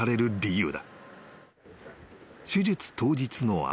［手術当日の朝］